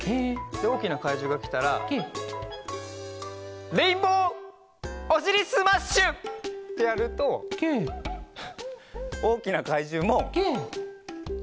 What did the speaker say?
でおおきなかいじゅうがきたらレインボーおしりスマッシュ！ってやるとおおきなかいじゅうもレインボーにかがやきます。